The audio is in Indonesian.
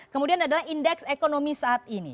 kemudian adalah indeks ekonomi saat ini